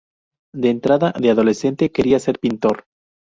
De entrada, de adolescente, quería ser pintor.